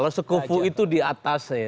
kalau sekufu itu di atas ya